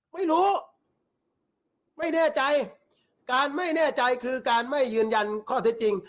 ไม่รู้ไม่แน่ใจการไม่แน่ใจคือการไม่ยืนยันข้อเท็จจริง